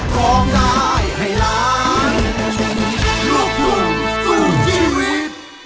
สวัสดี